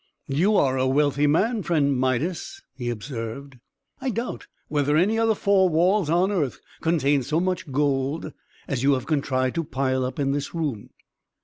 "You are a wealthy man, friend Midas!" he observed. "I doubt whether any other four walls, on earth, contain so much gold as you have contrived to pile up in this room."